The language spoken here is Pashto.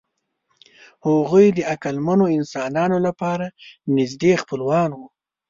هغوی د عقلمنو انسانانو لپاره نږدې خپلوان وو.